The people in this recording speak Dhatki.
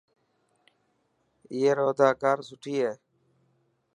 اي رو اداڪار سٺي هي.